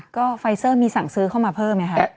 ก็ไฟเซอร์มีสั่งซื้อเข้ามาเพิ่มไหมคะ